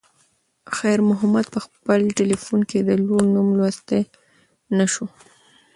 خیر محمد په خپل تلیفون کې د لور نوم لوستی نه شو.